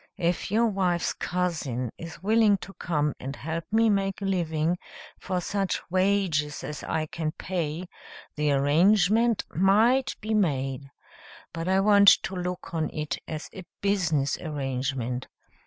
If your wife's cousin is willing to come and help me make a living, for such wages as I can pay, the arrangement might be made. But I want to look on it as a business arrangement.